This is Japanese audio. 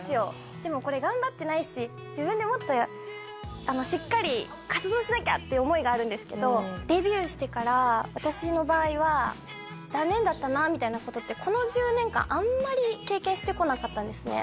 でもこれ頑張ってないし自分でもっとしっかり活動しなきゃ！って思いがあるんですけどデビューしてから私の場合は残念だったなみたいなことってこの１０年間あんまり経験してこなかったんですね